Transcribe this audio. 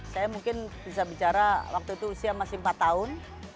saya mungkin bisa bicara waktu itu usia masih empat tahun